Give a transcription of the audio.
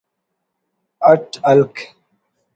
اٹ ہلک